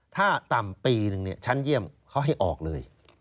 ถ้าต่ำปีหนึ่งชั้นเยี่ยมเขาให้ออกเลย